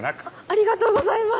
ありがとうございます！